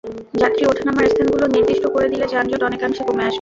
যাত্রী ওঠা-নামার স্থানগুলো নির্দিষ্ট করে দিলে যানজট অনেকাংশে কমে আসবে।